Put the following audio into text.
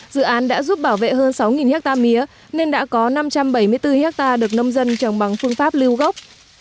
dự án đã giúp bảo vệ hơn sáu hectare mía nên đã có năm trăm bảy mươi bốn hectare được nông dân trồng bằng phương pháp lưu gốc